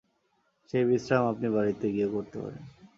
সেই বিশ্রাম আপনি বাড়িতে গিয়েও করতে পারেন।